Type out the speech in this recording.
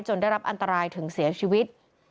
ได้รับอันตรายถึงเสียชีวิต